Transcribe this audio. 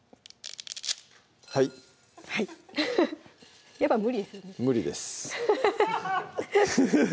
はいやっぱ無理ですよね無理です